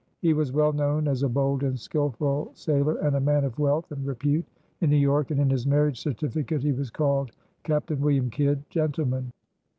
He was well known as a bold and skillful sailor, and a man of wealth and repute in New York, and in his marriage certificate he was called "Captain William Kidd, Gentleman."